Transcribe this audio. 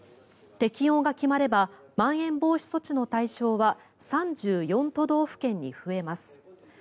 適用が決まればまん延防止措置の対象は３４都道府県に増えます。